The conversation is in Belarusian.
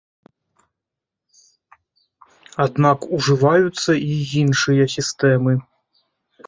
Аднак ужываюцца і іншыя сістэмы.